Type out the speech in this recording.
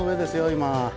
今。